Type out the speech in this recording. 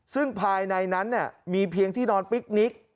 ซึ่งภายในนั้นมีเพียงที่นอนปิ๊กนิก